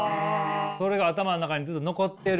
それが頭の中にずっと残ってる。